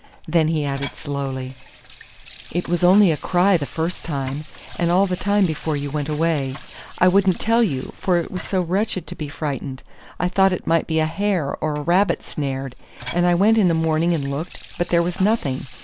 Then he added slowly, "It was only a cry the first time, and all the time before you went away. I wouldn't tell you, for it was so wretched to be frightened. I thought it might be a hare or a rabbit snared, and I went in the morning and looked; but there was nothing.